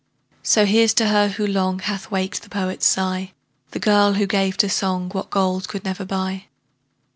So here's to her, who long Hath waked the poet's sigh, The girl, who gave to song What gold could never buy.